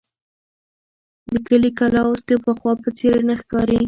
د کلي کلا اوس د پخوا په څېر نه ښکاري.